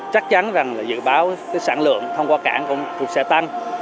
chắc chắn rằng là dự báo sản lượng thông qua cảng cũng sẽ tăng